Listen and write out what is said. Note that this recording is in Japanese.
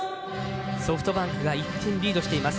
ソフトバンクが１点リードしています。